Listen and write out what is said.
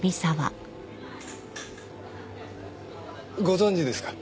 ご存じですか？